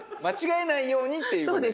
間違えないようにっていう。